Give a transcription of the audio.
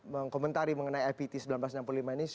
mengkomentari mengenai ipt seribu sembilan ratus enam puluh lima ini